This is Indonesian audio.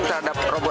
terima kasih kepada